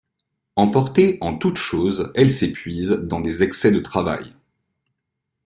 Emportée en toutes choses, elle s'épuise dans des excès de travail.